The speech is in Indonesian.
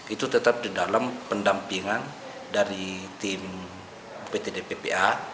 itu tetap di dalam pendampingan dari tim pt dppa